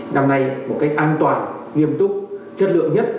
năm nay một cách an toàn nghiêm túc chất lượng nhất